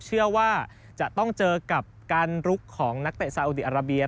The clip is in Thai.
เชื่อว่าจะต้องเจอกับการลุกของนักเตะซาอุดีอาราเบีย